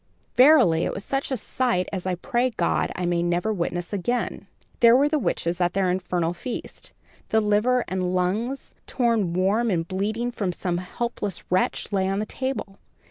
"Verily, it was such a sight as I pray God I may never witness again. There were the witches at their infernal feast. The liver and lungs, torn warm and bleeding from some helpless wretch, lay on the table.